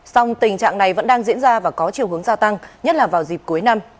song tình trạng này vẫn đang diễn ra và có chiều hướng gia tăng nhất là vào dịp cuối năm